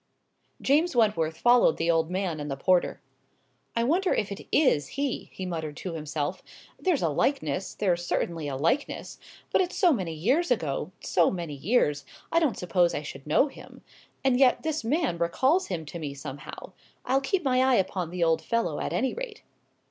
James Wentworth followed the old man and the porter. "I wonder if it is he," he muttered to himself; "there's a likeness—there's certainly a likeness. But it's so many years ago—so many years—I don't suppose I should know him. And yet this man recalls him to me somehow. I'll keep my eye upon the old fellow, at any rate."